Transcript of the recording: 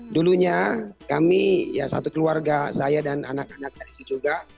dulunya kami ya satu keluarga saya dan anak anak tradisi juga